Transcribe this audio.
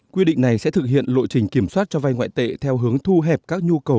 quy định này sẽ thực hiện lộ trình kiểm soát cho vay ngoại tệ theo hướng thu hẹp các nhu cầu